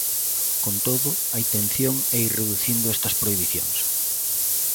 Con todo, a intención é ir reducindo estas prohibicións.